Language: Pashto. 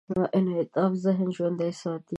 انعطاف ذهن ژوندي ساتي.